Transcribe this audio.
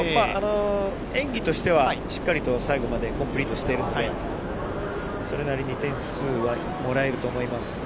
演技としてはしっかりと最後までコンプリートしているので、それなりに点数はもらえると思います。